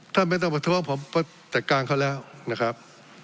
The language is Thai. ท่านไม่ต้องมาท้วงผมแต่กลางเขาแล้วนะครับ